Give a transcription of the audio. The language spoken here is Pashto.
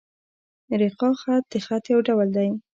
رِقاع خط؛ د خط یو ډول دﺉ.